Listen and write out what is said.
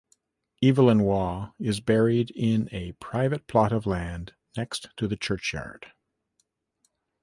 Evelyn Waugh is buried in a private plot of land next to the churchyard.